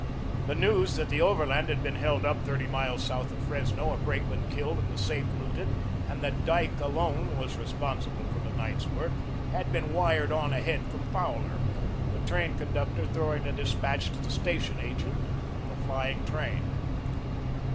The news that the Overland had been held up thirty miles south of Fresno, a brakeman killed and the safe looted, and that Dyke alone was responsible for the night's work, had been wired on ahead from Fowler, the train conductor throwing the despatch to the station agent from the flying train.